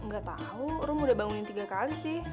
gak tau rum udah bangunin tiga kali sih